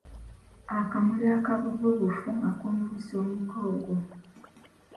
Akamuli akavubufu ak’omubisi omuka ogwo.